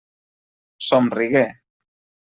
Somrigué.